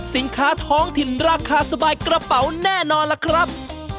สินค้าท้องถิ่นราคาสบายกระเป๋าแน่นอนล่ะครับ